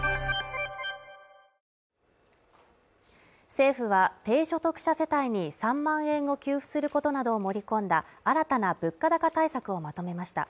政府は低所得者世帯に３万円を給付することなどを盛り込んだ新たな物価高対策をまとめました。